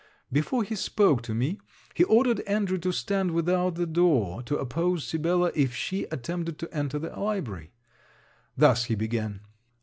Before he spoke to me, he ordered Andrew to stand without the door, to oppose Sibella, if she attempted to enter the library. Thus he began.